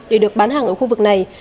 để được bán hàng ở khu vực này